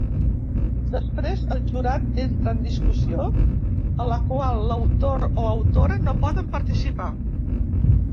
Després, el jurat entra en discussió a la qual l'autor o l'autora no poden participar.